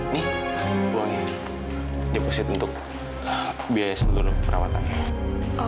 ini buangin deposit untuk biaya seluruh perawatannya